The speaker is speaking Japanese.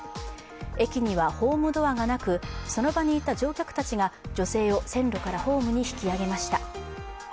駅にはホームドアがなく、その場にいた乗客たちが女性を線路からホームに引き上げました。